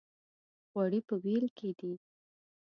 غوړي په وېل کې دي.